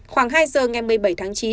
khoảng hai giờ ngày một mươi bảy tháng chín